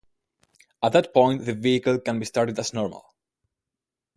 At that point, the vehicle can be started as normal.